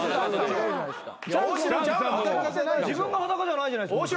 自分が裸じゃないじゃないですか。